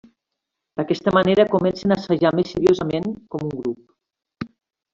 D'aquesta manera comencen a assajar més seriosament, com un grup.